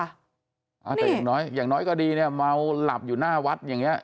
แต่อย่างน้อยอย่างน้อยก็ดีเนี่ยเมาหลับอยู่หน้าวัดอย่างเงี้